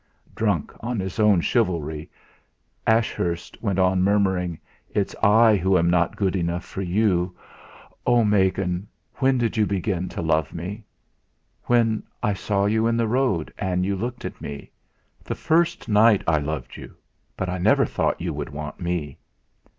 Drunk on his own chivalry, Ashurst went on murmuring, "It's I who am not good enough for you. Oh! Megan, when did you begin to love me?" "When I saw you in the road, and you looked at me. The first night I loved you; but I never thought you would want me."